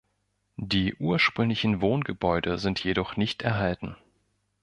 Die ursprünglichen Wohngebäude sind jedoch nicht erhalten.